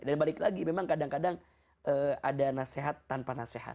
dan balik lagi memang kadang kadang ada nasehat tanpa nasehat